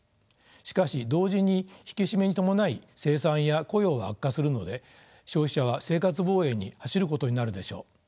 しかし同時に引き締めに伴い生産や雇用が悪化するので消費者は生活防衛に走ることになるでしょう。